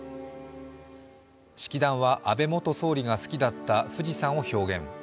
式壇は、安倍元総理が好きだった富士山を表現。